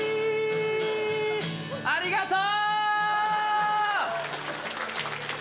ありがとう。